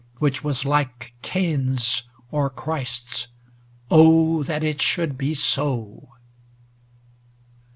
Which was like Cain's or Christ's ŌĆö oh ! that it should be so